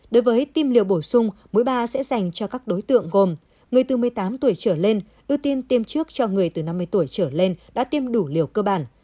đối với tim liều bổ sung mỗi ba sẽ dành cho các đối tượng gồm người từ một mươi tám tuổi trở lên ưu tiên tiêm trước cho người từ năm mươi tuổi trở lên đã tiêm đủ liều cơ bản